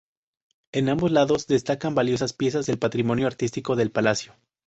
En ambos lados destacan valiosas piezas del patrimonio artístico del palacio.